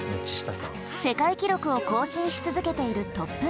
世界記録を更新し続けているトップランナー。